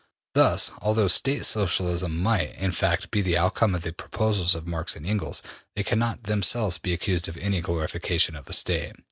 '' Thus, although State Socialism might, in fact, be the outcome of the proposals of Marx and Engels, they cannot themselves be accused of any glorification of the State.